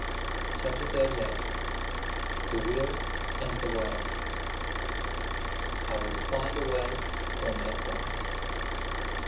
CHAPTER XXXVIII THE WILL AND THE WAY "I will find a way or make one."